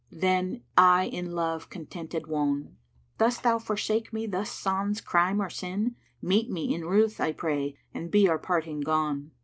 then I in love contented wone! Dost thou forsake me thus sans crime or sin * Meet me in ruth, I pray, and be our parting gone."